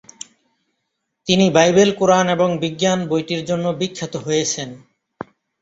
তিনি বাইবেল, কুরআন এবং বিজ্ঞান বইটির জন্য বিখ্যাত হয়েছেন।